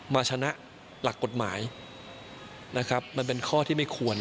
มาชนะหลักกฎหมายนะครับมันเป็นข้อที่ไม่ควร